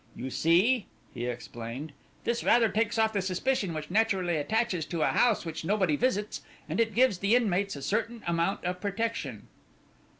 You see," he explained, "this rather takes off the suspicion which naturally attaches to a house which nobody visits, and it gives the inmates a certain amount of protection."